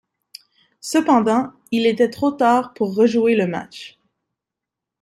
Cependant, il était trop tard pour rejouer le match.